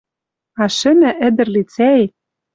А шӹмӓ ӹдӹр лицӓэт —